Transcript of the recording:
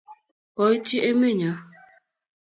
koityi emenyo k